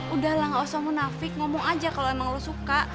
udah lah gak usah munafik ngomong aja kalo emang lo suka